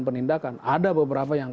penindakan ada beberapa yang